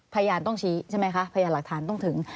พยานต้องชี้ใช่ไหมคะพยานหลักฐานต้องถึง